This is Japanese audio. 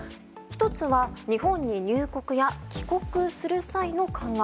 １つは日本に入国や帰国する際の緩和。